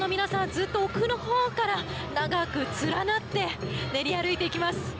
ずっと奥のほうから長く連なって練り歩いていきます。